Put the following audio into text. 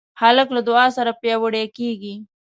هلک له دعا سره پیاوړی کېږي.